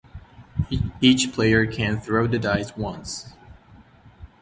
Each player can throw the dice once.